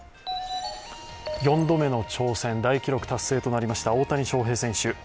４度目の挑戦、大記録達成となりました、大谷翔平選手。